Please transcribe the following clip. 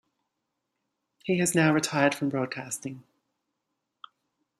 He has now retired from broadcasting.